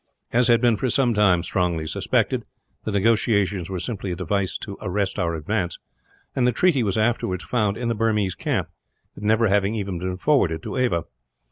As had been for some time strongly suspected, the negotiations were simply a device to arrest our advance; and the treaty was afterwards found in the Burmese camp, it never having been forwarded to Ava.